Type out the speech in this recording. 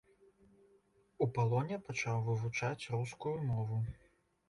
У палоне пачаў вывучаць рускую мову.